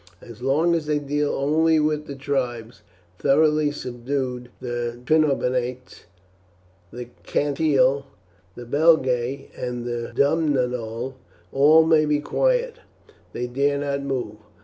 As long as they deal only with the tribes thoroughly subdued, the Trinobantes, the Cantii, the Belgae, and the Dumnonii, all may be quiet; they dare not move.